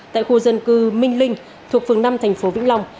tại khu dân cư minh linh thuộc phường năm tp vĩnh long